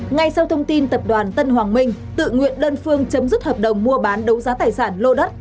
ngay sau thông tin tập đoàn tân hoàng minh tự nguyện đơn phương chấm dứt hợp đồng mua bán đấu giá tài sản lô đất